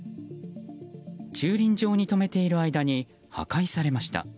駐輪場に止めている間に破壊されました。